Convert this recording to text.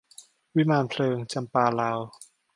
วิมานเพลิง - จำปาลาว